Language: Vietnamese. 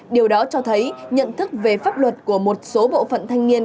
điều đó cho thấy nhận thức về pháp luật của một số bộ phận thanh niên